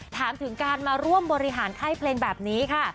ถามถึงการมาร่วมบริหารค่ายเพลงแบบนี้ค่ะ